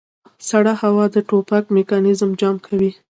سړه هوا د ټوپک میکانیزم جام کوي